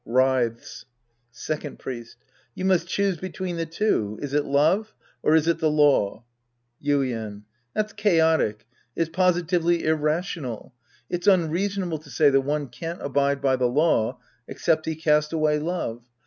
{Writhes^ Second Priest. You must choose between the two. Is it love, or is it the law ? Yuien. That's chaotic. It's positively irrational. It's unreasonable to say that one can't abide by the law except he cast away love.